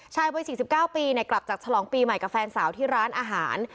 ชายวัย๔๙ปีกลับจากฉลองปีใหม่กับแฟนสาวที่ร้านอาหาร